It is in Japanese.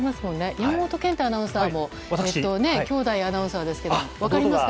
山本健太アナウンサーも兄弟アナウンサーですけど分かりますか？